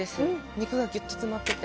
肉がギュッと詰まってて。